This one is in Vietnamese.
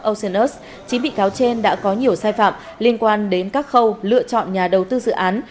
ocean earth chín bị cáo trên đã có nhiều sai phạm liên quan đến các khâu lựa chọn nhà đầu tư dự án